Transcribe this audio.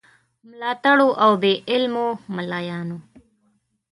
ملاتړو او بې علمو مُلایانو.